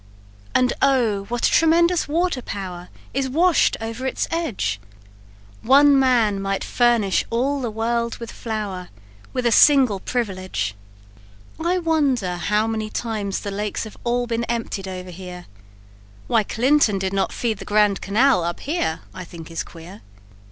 "And oh, what a tremendous water power Is wash'd over its edge; One man might furnish all the world with flour, With a single privilege. "I wonder how many times the lakes have all Been emptied over here; Why Clinton did not feed the grand Canal Up here I think is queer.